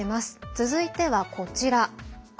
続いてはこちら。